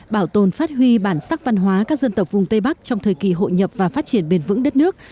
bảo tồn phát huy bản sắc văn hóa các dân tộc vùng tây bắc trong thời kỳ hội nhập và phát triển bền vững đất nước